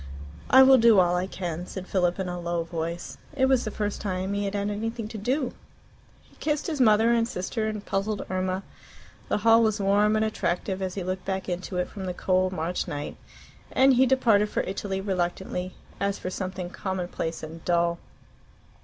"I will do all I can," said Philip in a low voice. It was the first time he had had anything to do. He kissed his mother and sister and puzzled Irma. The hall was warm and attractive as he looked back into it from the cold March night, and he departed for Italy reluctantly, as for something commonplace and dull.